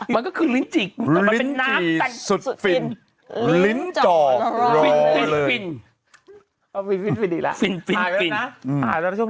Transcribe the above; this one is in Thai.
มันก็คือลิ้นจี่ลิ้นจี่สุดฟินลิ้นจอกฟินฟินอีกแล้ว